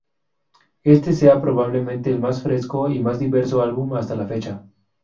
Este sea probablemente el más fresco y más diverso álbum hasta la fecha.